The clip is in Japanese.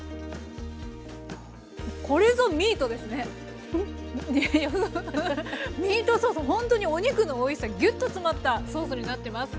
ミートソースほんとにお肉のおいしさギュッと詰まったソースになってます。